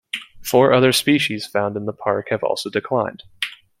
Four other species found in the park have also declined.